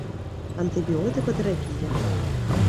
антибіотикотерапія